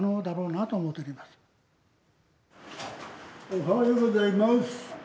おはようございます。